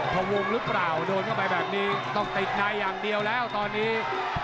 พวงหรือเปล่าโดนเข้าไปแบบนี้ต้องติดในอย่างเดียวแล้วตอนนี้